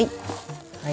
はい。